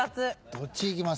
どっちいきますか？